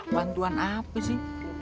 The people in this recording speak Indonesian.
bantuan apa sih